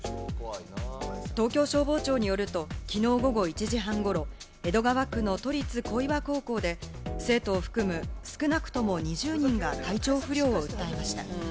東京消防庁によると昨日午後１時半ごろ、江戸川区の都立小岩高校で生徒を含む少なくとも２０人が体調不良を訴えました。